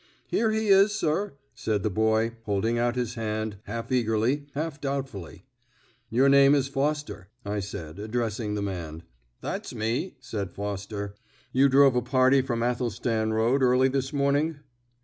"Here he is, sir," said the boy, holding out his hand, half eagerly, half doubtfully. "Your name is Foster," I said, addressing the man. "That's me," said Bill Foster. "You drove a party from Athelstan Road early this morning?"